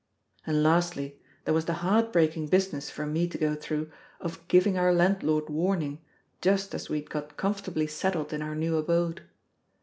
And, lastly, there was the heart breaking business for me to go through of giving our landlord warning, just as we had got comfortably settled in our new abode.